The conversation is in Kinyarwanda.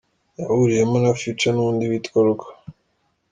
" yahuriyemo na Future n’undi witwa Rocko.